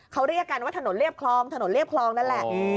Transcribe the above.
เขาเรียกกันว่าถนนเรียบคลองถนนเรียบคลองนั่นแหละ